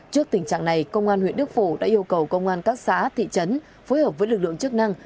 trước tình trạng này công an huyện đức phổ đã yêu cầu công an các xã thị trấn phối hợp với lực lượng chức năng